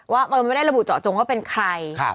ว่าไม่ได้ระบุเจาะจงว่าเป็นใคร